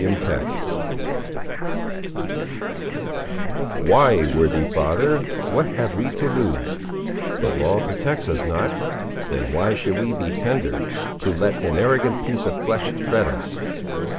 CHAPTER V Why, worthy father, what have we to lose? —The law Protects us not. Then why should we be tender To let an arrogant piece of flesh threat us!